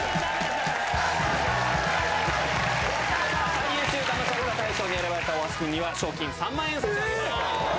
最優秀ダマされた大賞に選ばれた大橋君には賞金３万円を差し上げます。